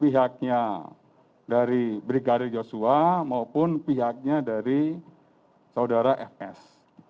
pihaknya dari brigadir joshua maupun pihaknya dari saudara fs